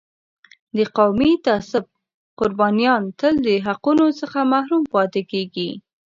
د قومي تعصب قربانیان تل د حقونو څخه محروم پاتې کېږي.